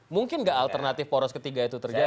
mungkin gak alternatif poros ketiga itu terjadi